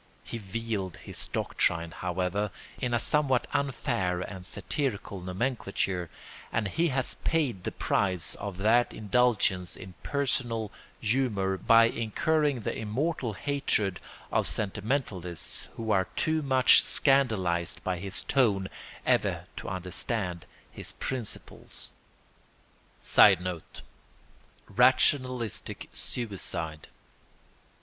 He veiled his doctrine, however, in a somewhat unfair and satirical nomenclature, and he has paid the price of that indulgence in personal humour by incurring the immortal hatred of sentimentalists who are too much scandalised by his tone ever to understand his principles. [Sidenote: Rationalistic suicide.